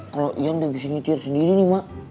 kalo ian udah bisa ngitir sendiri nih emak